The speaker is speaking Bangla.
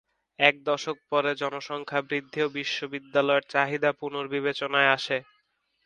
এক দশক পরে জনসংখ্যা বৃদ্ধি ও বিশ্ববিদ্যালয়ের চাহিদা পুনর্বিবেচনায় আসে।